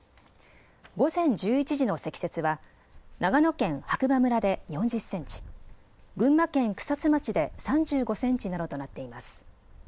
午前１１時の積雪は長野県白馬村で４０センチ、群馬県草津町で３５センチなどとなっています。